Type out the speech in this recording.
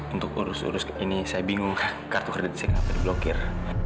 untuk urus urus ini saya bingung kartu kredit saya kenapa diblokir